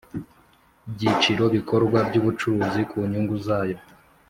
Byiciro ibikorwa by ubucuruzi ku nyungu zayo